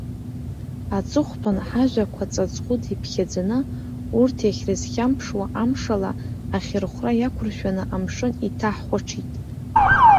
Аҵыхәтәан, ҳажәақәа ҵаҵӷәыда иԥхьаӡаны, урҭ иахьрызхьамԥшуа амшала ахьырхәра иақәыршәаны, амшын иҭаҳхәаҽит.